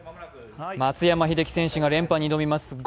松山英樹選手が連覇に挑みます。